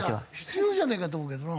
必要じゃねえかと思うけどな。